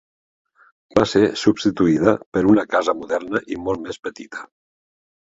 Va ser substituïda per una casa moderna i molt més petita.